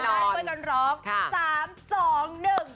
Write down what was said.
ถ้าร้องได้ก่อนร้อง๓๒๑ไป